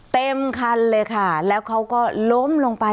เต็มคันเลยค่ะแล้วเขาก็ล้มลงไป